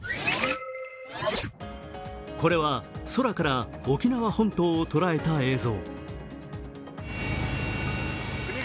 これは、空から沖縄本島を捉えた映像。